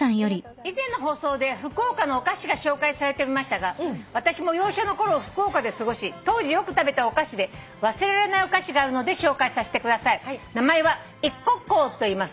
「以前の放送で福岡のお菓子が紹介されておりましたが私も幼少の頃福岡で過ごし当時よく食べたお菓子で忘れられないお菓子があるので紹介させてください」「名前は逸口香といいます」